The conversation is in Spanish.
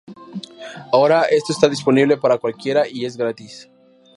Ahora esto está disponible para cualquiera y es gratis.